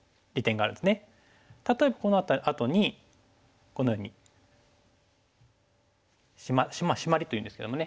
例えばこのあとにこのように「シマリ」というんですけどもね。